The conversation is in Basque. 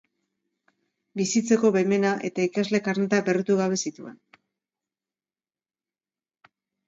Bizitzeko baimena eta ikasle karneta berritu gabe zituen.